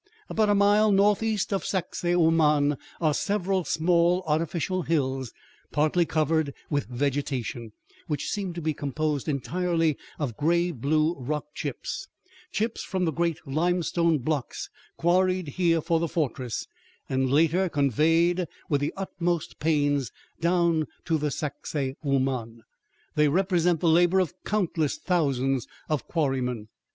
About a mile northeast of Sacsahuaman are several small artificial hills, partly covered with vegetation, which seem to be composed entirely of gray blue rock chips chips from the great limestone blocks quarried here for the "fortress" and later conveyed with the utmost pains down to Sacsahuaman. They represent the labor of countless thousands of quarrymen.